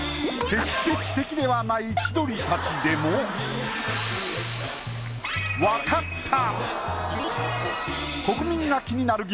決して知的ではない千鳥たちでも分かった！